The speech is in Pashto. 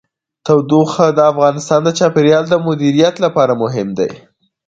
تودوخه د افغانستان د چاپیریال د مدیریت لپاره مهم دي.